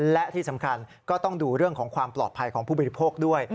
และที่สำคัญก็ต้องดูเรื่องของความปลอดภัยของผู้บริโภคด้วย